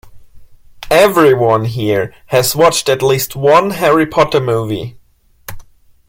Everyone here has watched at least one harry potter movie.